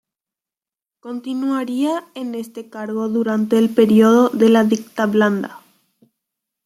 Continuaría en este cargo durante el período de la dictablanda.